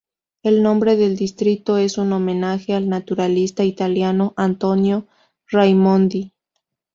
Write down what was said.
El nombre del distrito es un homenaje al naturalista italiano Antonio Raimondi.